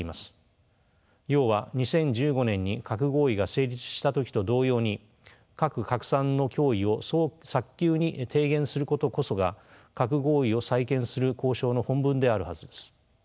要は２０１５年に核合意が成立した時と同様に核拡散の脅威を早急に低減することこそが核合意を再建する交渉の本分であるはずです。